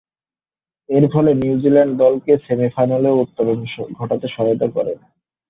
এরফলে নিউজিল্যান্ড দলকে সেমি-ফাইনালে উত্তরণ ঘটাতে সহায়তা করেন।